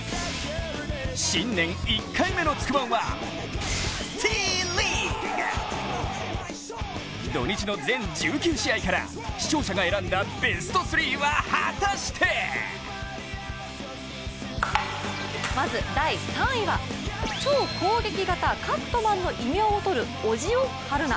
新年１回目の「つくワン」はＴリーグ！土日の全１９試合から視聴者が選んだベスト３は果たしてまず第３位は、超攻撃型カットマンの異名をとる小塩遥菜。